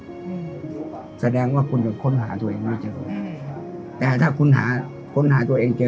มแสดงนะว่าคุณค้นหาตัวเองมาเจอแต่ถ้าคุณหาตัวเองเจอ